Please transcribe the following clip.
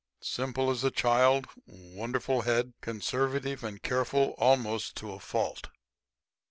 . simple as a child ... wonderful head ... conservative and careful almost to a fault."